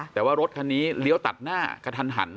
แต่ว่ารถคันนี้เลี้ยวตัดหน้ากระทันหัน